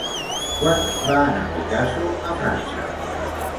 Quan va anar Picasso a França?